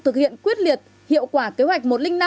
thực hiện quyết liệt hiệu quả kế hoạch